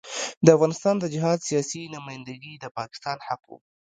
د افغانستان د جهاد سیاسي نمايندګي د پاکستان حق وو.